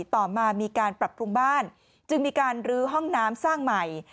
ต่อมามีการปรับปรุงบ้านจึงมีการลื้อห้องน้ำสร้างใหม่